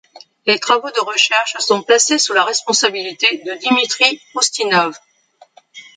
Les travaux de recherche sont placés sous la responsabilité de Dimitri Oustinov.